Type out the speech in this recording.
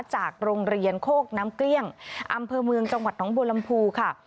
จากโรงเรียนโคกน้ำเกลี้ยงอำเภอเมืองจังหวัดน้องบัวลำพูค่ะ